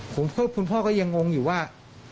คุณพ่อก็ยังงงอยู่ว่า